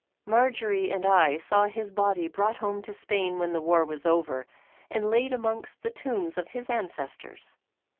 Marjory and I saw his body brought home to Spain when the war was over, and laid amongst the tombs of his ancestors.